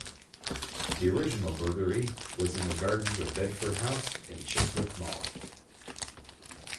The original brewery was in the gardens of Bedford House in Chiswick Mall.